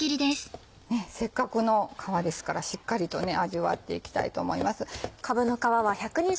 せっかくの皮ですからしっかりとね味わっていきたいと思います。